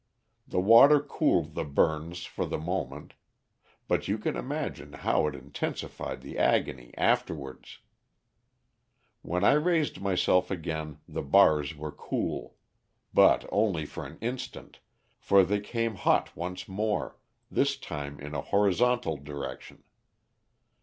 The water cooled the burns for the moment. But you can imagine how it intensified the agony afterwards. "When I raised myself again the bars were cool. But only for an instant, for they came hot once more, this time in a horizontal direction.